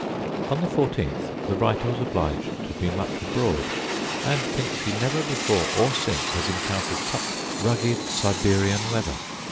On the 14th the writer was obliged to be much abroad; and thinks he never before or since has encountered such rugged Siberian weather.